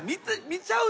見ちゃう。